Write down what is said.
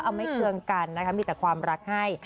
เอาไม่เคืองกันนะคะมีแต่ความรักให้